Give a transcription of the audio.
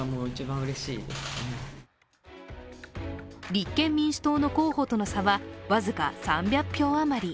立憲民主党の候補との差は僅か３００票余り。